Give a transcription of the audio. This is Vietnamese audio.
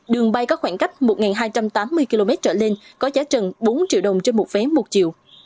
đường bay có khoảng cách một hai trăm tám mươi km trở lên có giá trần bốn triệu đồng trên một vé một chiều